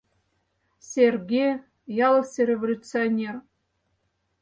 Серге — ялысе революционер.